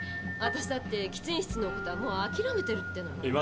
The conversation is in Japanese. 私だって喫煙室の事はもうあきらめてるってのに。